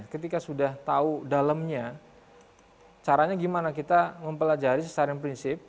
jika kita sudah tahu dalemnya caranya bagaimana kita mempelajari secara prinsip